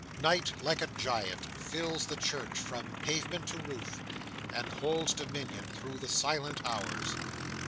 Night, like a giant, fills the church, from pavement to roof, and holds dominion through the silent hours.